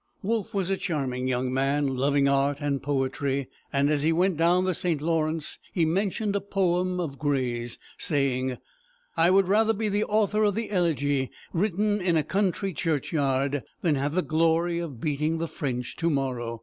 Wolfe was a charming young man, loving art and poetry, and as he went down the St. Lawrence, he mentioned a poem of Gray's, saying: "I would rather be the author of the 'Elegy Written in a Country Churchyard' than have the glory of beating the French to morrow."